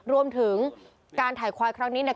รวมถึงการถ่ายควายครั้งนี้เนี่ย